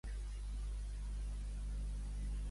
A quina època es creu que hi va viure gent?